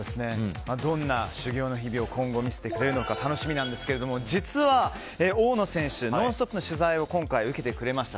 どんな修業の日々を今後見せてくれるのか楽しみなんですけども実は、大野選手「ノンストップ！」の取材を今回、受けてくれました。